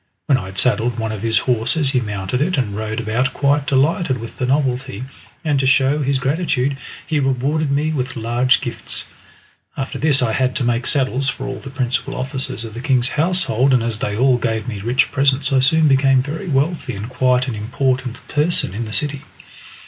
When I had saddled one of his horses he mounted it and rode about quite delighted with the novelty, and to show his gratitude he rewarded me with large gifts. After this I had to make saddles for all the principal officers of the king's household, and as they all gave me rich presents I soon became very wealthy and quite an important person in the city.